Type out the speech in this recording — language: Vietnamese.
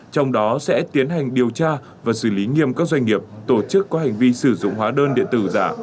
trong đó sẽ tiến hành điều tra và xử lý nghiêm các doanh nghiệp tổ chức có hành vi sử dụng hóa đơn điện tử giả